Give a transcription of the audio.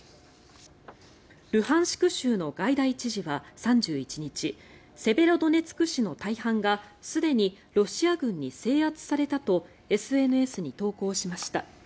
ルハンシク州のガイダイ知事は３１日セベロドネツク市の大半がすでにロシア軍に制圧されたとＳＮＳに投稿しました。